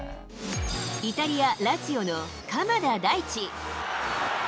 イタリア・ラツィオの鎌田大地。